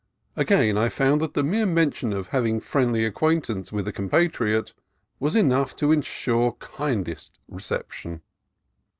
Again I found that the mere mention of having friendly acquaintance with a compatriot was enough to ensure the kindest reception.